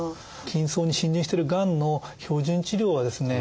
筋層に浸潤しているがんの標準治療はですね